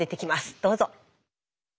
どうぞ。